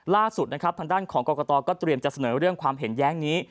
ล่าสุดนะครับทางด้านของกรกตก็เตรียมจะเสนอเรื่องความเห็นแย้งนี้